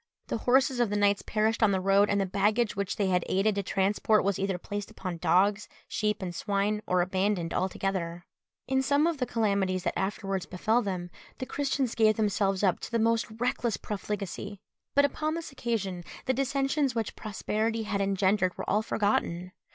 The horses of the knights perished on the road, and the baggage which they had aided to transport was either placed upon dogs, sheep, and swine, or abandoned altogether. In some of the calamities that afterwards befell them, the Christians gave themselves up to the most reckless profligacy; but upon this occasion, the dissensions which prosperity had engendered were all forgotten.